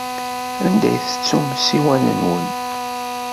Anda i tettum ssiwan-nwen?